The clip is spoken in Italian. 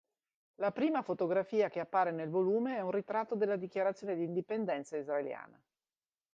La prima fotografia che appare nel volume è un ritratto della Dichiarazione d'indipendenza israeliana.